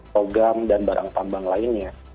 logam dan barang tambang lainnya